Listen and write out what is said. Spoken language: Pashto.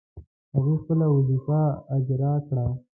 هغوی خپله وظیفه اجرا کړه.